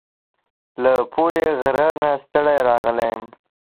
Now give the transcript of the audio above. له پوري غره نه ستړي راغلم